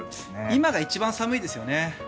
今が一番寒いですよね。